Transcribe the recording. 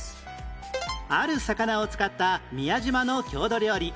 ある魚を使った宮島の郷土料理